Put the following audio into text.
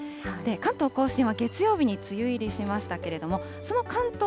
関東甲信は月曜日に梅雨入りしましたけれども、その関東